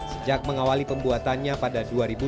sejak mengawali pembuatannya pada dua ribu dua belas